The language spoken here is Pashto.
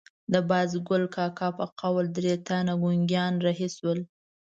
د بازګل کاکا په قول درې تنه ګونګیان رهي شول.